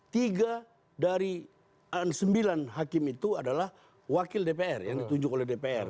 tiga dari sembilan hakim itu adalah wakil dpr yang ditunjuk oleh dpr